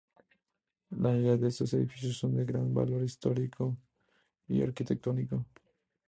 La mayoría de estos edificios son de gran valor histórico y arquitectónico.